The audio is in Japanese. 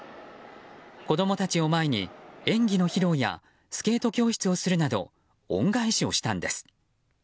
子供たちを前に演技の披露やスケート教室をするなど恩返しをしたんです。